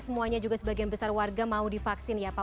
semuanya juga sebagian besar warga mau divaksin ya pak